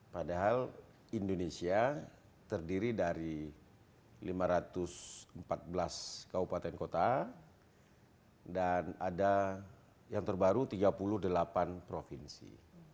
padahal indonesia terdiri dari lima ratus empat belas kabupaten kota dan ada yang terbaru tiga puluh delapan provinsi